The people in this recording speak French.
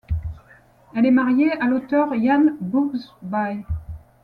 Elle est mariée à l'auteur Ian Boothby.